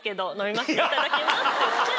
いただきますって言って。